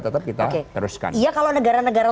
tetap kita teruskan ya kalau negara negara